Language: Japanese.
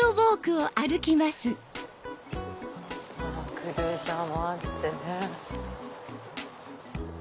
クルーザーもあってね。